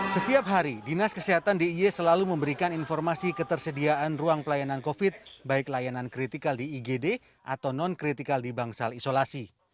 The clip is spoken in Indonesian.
setiap hari dinas kesehatan d i y selalu memberikan informasi ketersediaan ruang pelayanan covid sembilan belas baik layanan kritikal di igd atau non kritikal di bangsal isolasi